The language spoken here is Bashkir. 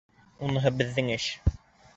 Уныһы беҙҙең эш.